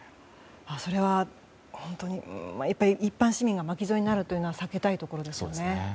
それは本当に一般市民が巻き添えになるというのは避けたいところですよね。